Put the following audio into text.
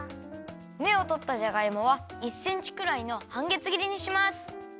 めをとったじゃがいもは１センチくらいのはんげつぎりにします。